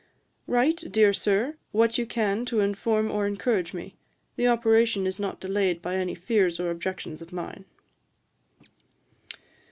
'Write, dear Sir, what you can to inform or encourage me. The operation is not delayed by any fears or objections of mine.'